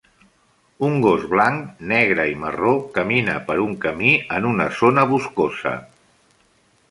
Un gos blanc, negre i marró camina per un camí en una zona boscosa.